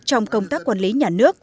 trong công tác quản lý nhà nước